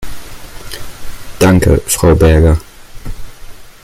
Danke, Frau Berger!